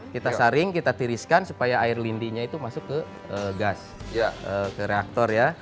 kita saring kita tiriskan supaya air lindinya itu masuk ke gas ke reaktor ya